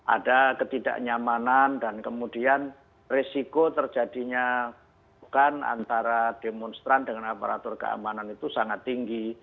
ada ketidaknyamanan dan kemudian resiko terjadinya bukan antara demonstran dengan aparatur keamanan itu sangat tinggi